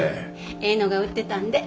ええのが売ってたんで。